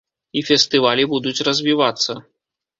І фестывалі будуць развівацца.